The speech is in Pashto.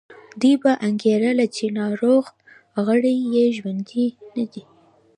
دوی به انګېرله چې ناروغ غړي یې ژوندي نه دي.